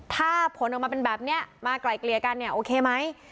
ถ้าผลออกมาเป็นแบบนี้มาไกลเกลี่ยกันเนี่ยโอเคไหม